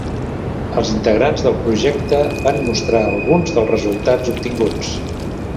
Els integrants del projecte van mostrar alguns dels resultats obtinguts.